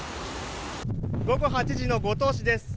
午後８時の五島市です。